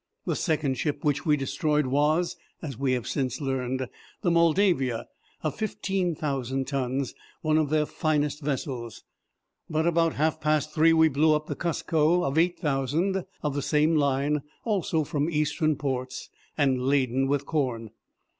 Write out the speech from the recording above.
The second ship which we destroyed was, as we have since learned, the Moldavia, of fifteen thousand tons, one of their finest vessels; but about half past three we blew up the Cusco, of eight thousand, of the same line, also from Eastern ports, and laden with corn.